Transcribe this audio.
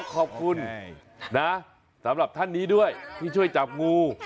ขอบคุณนะสำหรับท่านนี้ด้วยที่ช่วยจับงู